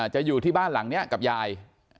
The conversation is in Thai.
อยู่ที่บ้านหลังนี้กับยาย